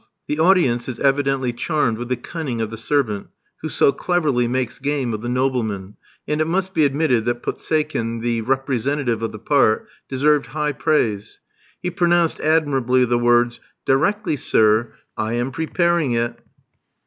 The audience is evidently charmed with the cunning of the servant, who so cleverly makes game of the nobleman; and it must be admitted that Poseikin, the representative of the part, deserved high praise. He pronounced admirably the words: "Directly, sir. I am preparing it."